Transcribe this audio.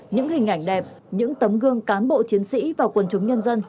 những hình ảnh đẹp những tấm gương cán bộ chiến sĩ và quần chúng nhân dân